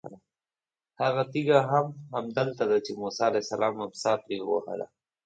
هغه تېږه هم همدلته ده چې موسی علیه السلام امسا پرې ووهله.